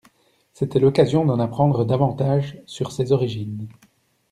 C’était l’occasion d’en apprendre davantage sur ses origines.